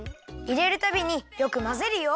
いれるたびによくまぜるよ。